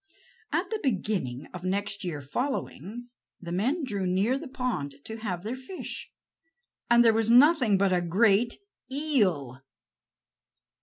At the beginning of next year following, the men drew near the pond to have their fish, and there was nothing but a great eel.